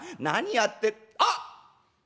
「何やってあっ！